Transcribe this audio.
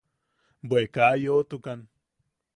–Bwe... kaa yoʼotukan.